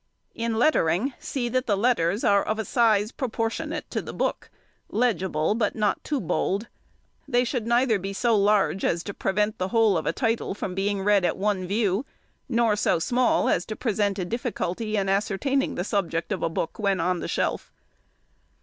In lettering, see that the letters are of a size proportionate to the book—legible, but not too bold. They should neither be so large as to prevent the whole of the title being read at one view, nor so small as to present a difficulty in ascertaining the subject of a book when on the shelf.